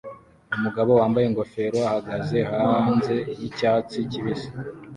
Umugabo wambaye ingofero ahagaze hanze yicyatsi kibisi